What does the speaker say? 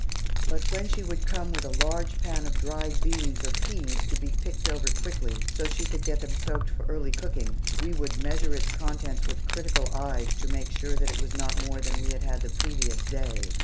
But when she would come with a large pan of dried beans or peas to be picked over quickly, so that she could get them soaked for early cooking, we would measure its contents with critical eyes to make sure that it was not more than we had had the previous day.